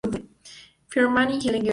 Freeman y Ellen Geer.